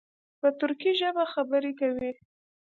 په ترکي ژبه خبرې کوي.